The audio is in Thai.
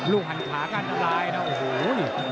หันขาการอันตรายนะโอ้โห